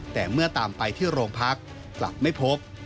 แต่เมื่อตามไปที่โรงพักกลับไม่พบ